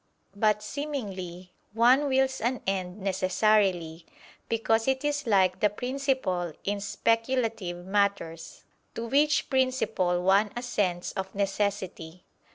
But, seemingly, one wills an end necessarily: because it is like the principle in speculative matters, to which principle one assents of necessity.